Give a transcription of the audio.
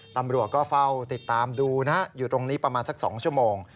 ตำรวจก็เฝ้าติดตามดูนะฮะอยู่ตรงนี้ประมาณสัก๒ชั่วโมง